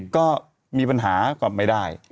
ก็มีปัญหาก็ไม่ได้